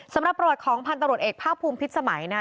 ประวัติของพันธุ์ตำรวจเอกภาคภูมิพิษสมัยนะคะ